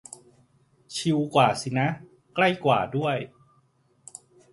ชิวกว่าสินะ ใกล้กว่าด้วย